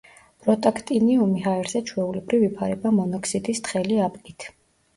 პროტაქტინიუმი ჰაერზე ჩვეულებრივ იფარება მონოქსიდის თხელი აპკით.